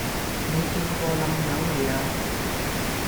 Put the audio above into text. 你見過冧友未呀?